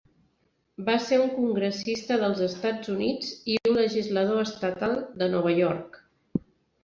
Va ser un congressista dels Estats Units i un legislador estatal de Nova York.